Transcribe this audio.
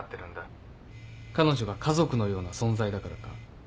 彼女が家族のような存在だからか？